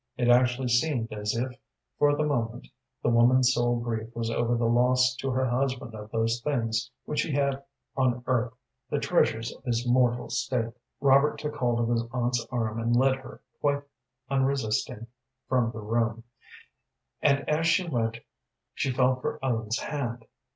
It actually seemed as if, for the moment, the woman's sole grief was over the loss to her husband of those things which he had on earth the treasures of his mortal state. Robert took hold of his aunt's arm and led her, quite unresisting, from the room, and as she went she felt for Ellen's hand.